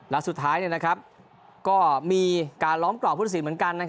และสุดท้ายมีการล้อมกล่าวพุทธศิลป์เหมือนกัน